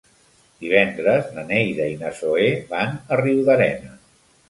Divendres na Neida i na Zoè van a Riudarenes.